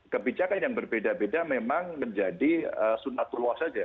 kebijakan yang berbeda beda memang menjadi sunatuloh saja